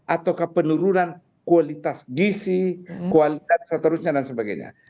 atau kepenurunan kualitas gisi kualitas seterusnya dan sebagainya